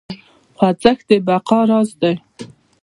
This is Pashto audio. خوځښت د بقا راز دی.